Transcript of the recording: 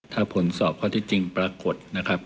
ถ้าผลสอบข้อที่จริงปรากฏ